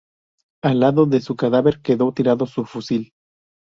Al lado de su cadáver quedó tirado su fusil.